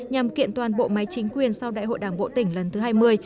nhằm kiện toàn bộ máy chính quyền sau đại hội đảng bộ tỉnh lần thứ hai mươi